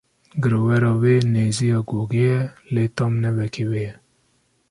Girovera wê nêzî ya gogê ye, lê tam ne weke wê ye.